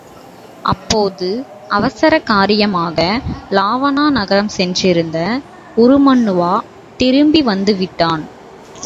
அப்போது அவசர காரியமாக இலாவாண நகரம் சென்றிருந்த உருமண்ணுவா திரும்பி வந்து விட்டான்.